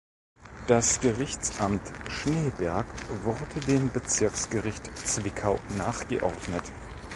Das Gerichtsamt Schneeberg wurde dem Bezirksgericht Zwickau nachgeordnet.